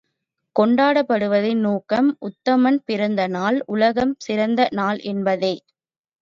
கொண்டாடுவதின் நோக்கம் உத்தமன் பிறந்த நாள், உலகம் சிறந்த நாள் என்பதே.